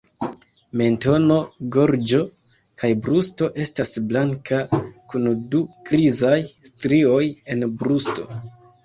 Mentono, gorĝo kaj brusto estas blankaj, kun du grizaj strioj en brusto.